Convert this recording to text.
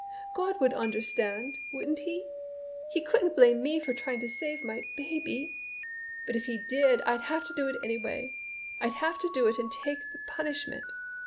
God would understand, wouldn't he? He couldn't blame me for trying to save my baby! But if he did I'd have to do it anyway. I'd have to do it and take the punishment.